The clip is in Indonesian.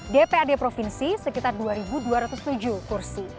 dprd provinsi sekitar dua dua ratus tujuh kursi